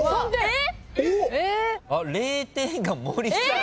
０点が森さん。